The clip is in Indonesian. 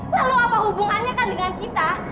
lalu apa hubungannya kan dengan kita